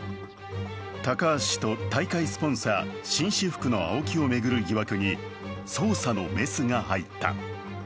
高橋氏と大会スポンサー紳士服のＡＯＫＩを巡る疑惑に捜査のメスが入った。